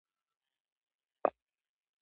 مخ به یې ترې واړاوه په غوسه کې.